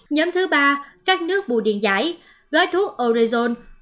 nhóm thứ ba các nước bù điện giải gói thuốc orezon